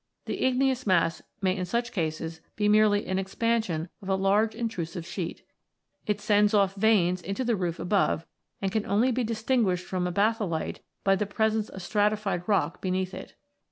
The igneous mass may in such cases be merely an ex pansion of a large intrusive sheet. It sends off veins into the roof above, and can only be distinguished from a batholite by the presence of stratified rock beneath it.